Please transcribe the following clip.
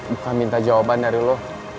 bukan minta jawaban dari lo